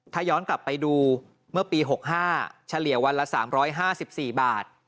ถ้าย้อนกลับไปดูเมื่อปี๖๕เฉลี่ยวันละ๓๕๔บาท